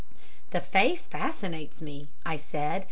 "'The face fascinates me,' I said.